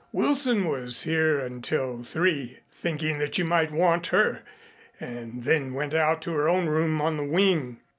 "Wilson was here until three thinking that you might want her and then went out to her own room in the wing."